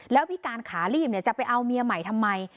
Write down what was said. แล้วพิการขาลีบจะไปเอาเมียใหม่ทำไม